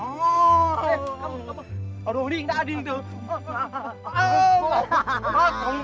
aduh ding ding ding